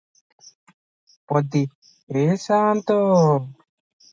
ପଦୀ-ଏ ସାନ୍ତ!